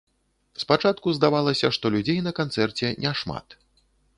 Спачатку здавалася, што людзей на канцэрце няшмат.